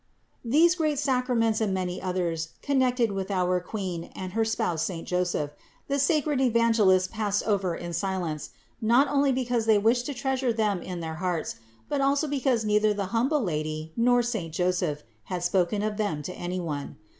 413. These great sacraments and many others con nected with our Queen and her spouse saint Joseph, the sacred Evangelists passed over in silence, not only because they wished to treasure them in their hearts, but also be cause neither the humble Lady nor saint Joseph had spoken of them to any one.